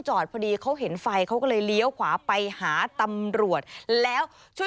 พอดีเขาเห็นไฟเขาก็เลยเลี้ยวขวาไปหาตำรวจแล้วช่วย